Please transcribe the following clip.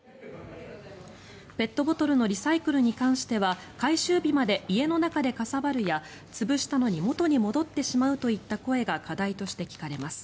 ペットボトルのリサイクルに関しては回収日まで家の中でかさばるや潰したのに元に戻ってしまうといった声が課題として聞かれます。